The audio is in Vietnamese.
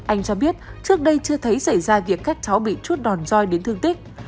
anh cho biết trước đây chưa thấy xảy ra việc các cháu bị chút đòn roi đến thương tích